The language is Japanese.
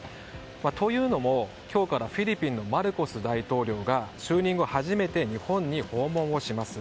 というのも今日からフィリピンのマルコス大統領が就任後初めて日本に訪問をします。